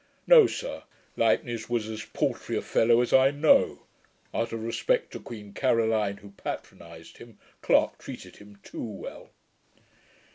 No, sir, Leibnitz was as paltry a fellow as I know. Out of respect to Queen Caroline, who patronized him, Clarke treated him too well.'